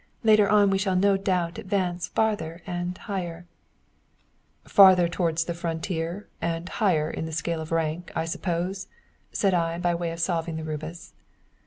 Later on we shall no doubt advance farther and higher." "Farther towards the frontier, and higher in the scale of rank, I suppose?" said I, by way of solving the rebus.